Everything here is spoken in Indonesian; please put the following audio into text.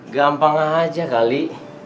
gampang aja kali